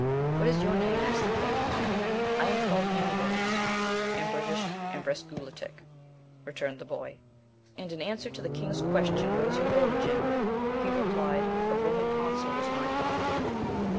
"What is your name?" asked the king; "I am called Ambrose (in British Embresguletic)," returned the boy; and in answer to the king's question, "What is your origin?" he replied, "A Roman consul was my father."